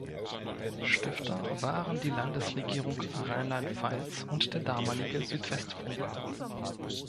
Stifter waren die Landesregierung Rheinland-Pfalz und der damalige Südwestfunk.